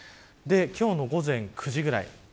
今日の午前９時ぐらい。